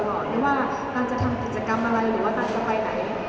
หรือว่าตันจะทำกิจกรรมอะไรหรือว่าตันจะไปไหน